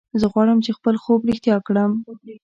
زه غواړم چې خپل خوب رښتیا کړم